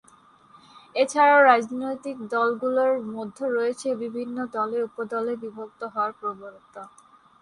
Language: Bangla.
এছাড়াও রাজনৈতিক দলগুলোর মধ্যে রয়েছে বিভিন্ন দলে-উপদলে বিভক্ত হওয়ার প্রবণতা।